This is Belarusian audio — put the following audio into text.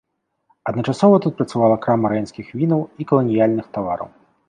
Адначасова тут працавала крама рэйнскіх вінаў і каланіяльных тавараў.